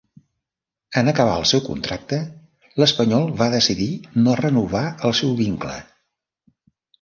En acabar el seu contracte, l'Espanyol va decidir no renovar el seu vincle.